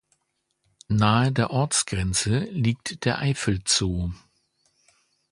Nahe der Ortsgrenze liegt der Eifel-Zoo.